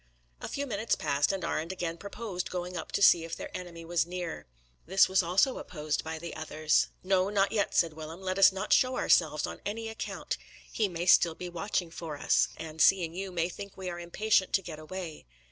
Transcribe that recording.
A few minutes passed and Arend again proposed going up to see if their enemy was near. This was also opposed by the others. "No, not yet," said Willem. "Let us not show ourselves on any account. He may be still watching for us, and, seeing you, may think we are impatient to get away.